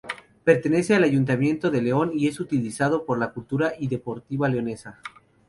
Pertenece al Ayuntamiento de León y es utilizado por la Cultural y Deportiva Leonesa.